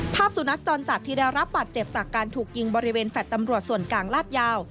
สุนัขจรจัดที่ได้รับบาดเจ็บจากการถูกยิงบริเวณแฟลต์ตำรวจส่วนกลางลาดยาว